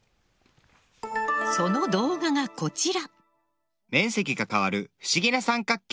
その動画がこちら。